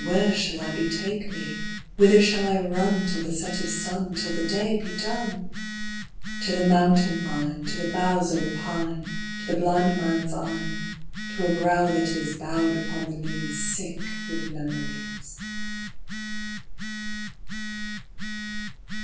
Where shall I betake me ? Whither shall I run Till the set of sun, Till the day be done ? To the mountain mine, To the boughs o' the pine, To the blind man's eyne, To a brow that is Bowed upon the knees, Sick with memories.